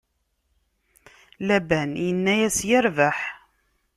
Laban inna-yas: Yerbeḥ!